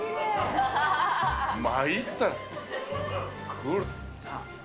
まいったな。